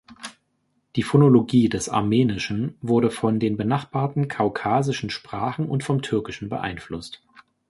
Die Phonologie des Armenischen wurde von den benachbarten kaukasischen Sprachen und vom Türkischen beeinflusst.